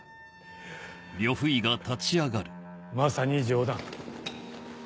まさに冗談。